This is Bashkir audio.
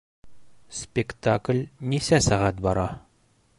Спектакль нисә сәғәт бара?